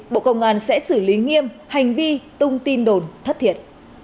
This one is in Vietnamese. bộ công an sẽ xử lý nghiêm hành vi tung tin đồn thất thiệt